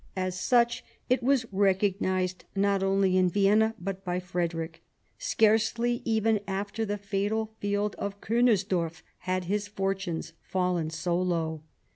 As suth it was recognised not only in Vienna, but by Frederick. Scarcely even after the fatal field of Kunersdorf had his fortunes fallen so low.